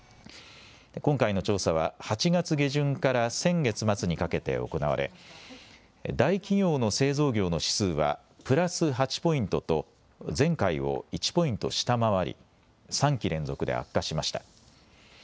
今回の調査は、８月下旬から先月末にかけて行われ、大企業の製造業の指数はプラス８ポイントと、前回を１ポイント下回り、３期連続で悪化しました。